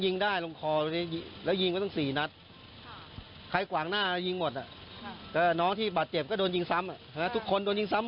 มันมันมันมันมันมันมันมันมันมันมันมันมันมันมันมันมันมันมัน